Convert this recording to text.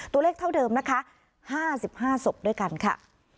ตัวเลขเท่าเดิมนะคะ๕๕ศพด้วยกันค่ะ